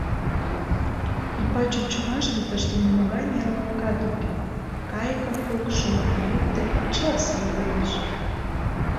Ӱмбач ончымаште тыште нимогай нелылыкат уке: кайыкым пукшо, йӱктӧ — и чыла сай лиеш.